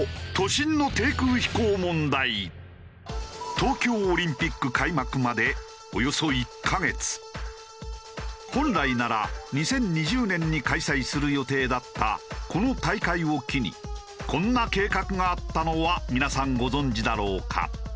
東京オリンピック本来なら２０２０年に開催する予定だったこの大会を機にこんな計画があったのは皆さんご存じだろうか？